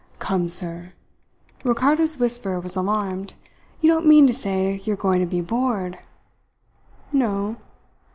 "Come, sir!" Ricardo's whisper was alarmed. "You don't mean to say you're going to be bored?" "No."